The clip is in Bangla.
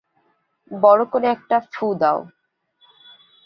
বড় করে একটা ফুঁ দাও!